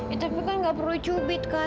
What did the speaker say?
ya tapi kan gak perlu cubit kak